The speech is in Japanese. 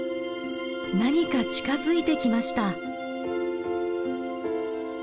何か近づいてきました。